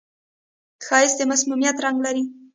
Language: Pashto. ښایست د معصومیت رنگ لري